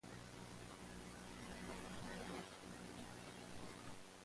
Zeuner was born in Chemnitz, Saxony.